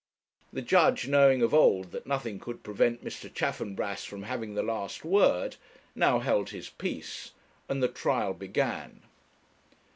The judge, knowing of old that nothing could prevent Mr. Chaffanbrass from having the last word, now held his peace, and the trial began.